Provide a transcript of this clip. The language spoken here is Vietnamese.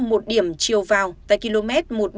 một điểm chiều vào tại km một nghìn bốn trăm một mươi ba